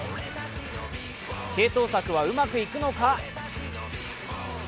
継投策はうまくいくのか。